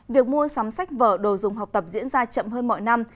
việc mua sắm sách vở đồ dùng học tập diễn ra chậm hơn mọi năm